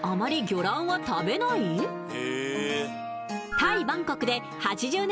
タイ・バンコクで８０年